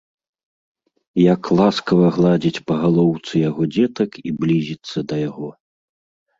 як ласкава гладзiць па галоўцы яго дзетак i блiзiцца да яго...